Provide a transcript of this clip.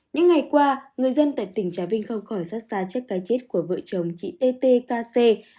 những ngày qua người dân tại tỉnh trà vinh không khỏi xác xa chết cái chết của vợ chồng chị tt kc